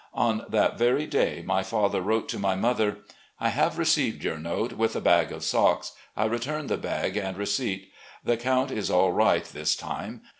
On that very day my father wrote to my mother: "... I have received your note with a bag of socks. I return the bag and receipt. The count is all right this time.